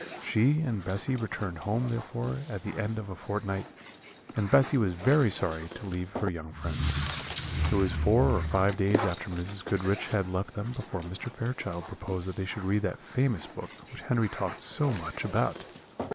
She and Bessy returned home therefore at the end of a fortnight, and Bessy was very sorry to leave her young friends. It was four or five days after Mrs. Goodriche had left them before Mr. Fairchild proposed that they should read that famous book which Henry talked so much about.